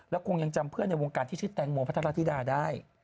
คงยังจำเพื่อนในวงการที่ชื่อแตงโมพัทรธิดาได้